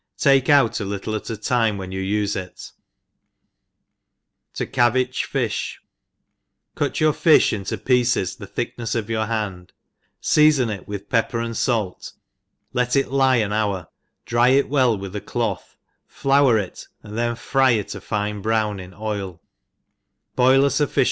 Take out a little a( a time when you ufe it. TV eaveacb Fish* CUT youT fifh into pieces the thickne^ €>f your hand, feafon it with pepper and fait, let it lie an hour, dry it well with a cloth, flour it^ and then fry it a fine brown in oil : boil^ fuffi« cieat fiNGLl^H libUSE iCEEPEft.